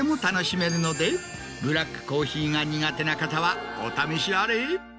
ブラックコーヒーが苦手な方はお試しあれ。